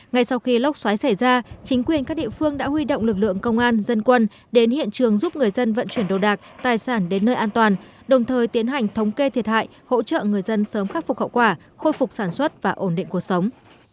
ngay sau khi lốc xoáy xảy ra chính quyền các địa phương đã huy động lực lượng công an dân quân đến hiện trường giúp người dân vận chuyển đồ đạc tài sản đến nơi an toàn đồng thời tiến hành thống kê thiệt hại hỗ trợ người dân sớm khắc phục hậu quả khôi phục sản xuất và ổn định cuộc sống